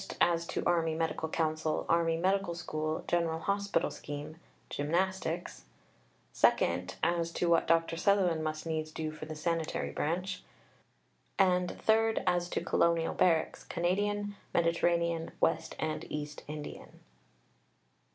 as to Army Medical Council, Army Medical School, General Hospital scheme, Gymnastics; (ii.) as to what Dr. Sutherland must needs do for the Sanitary branch; (iii.) as to Colonial Barracks, Canadian, Mediterranean, W. and E. Indian.